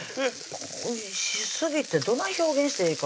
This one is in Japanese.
おいしすぎてどない表現してええか